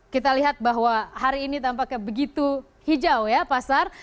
kita lihat bahwa hari ini tampaknya begitu hijau ya pasar